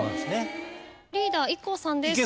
リーダーＩＫＫＯさんです。